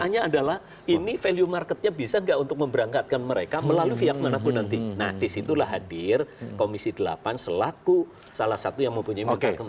nanti kita akan lanjutkan lagi